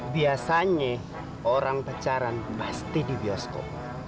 biasanya orang pacaran pasti di bioskop